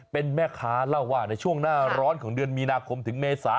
เป็นแม่ค้าเล่าว่าในช่วงหน้าร้อนของเดือนมีนาคมถึงเมษา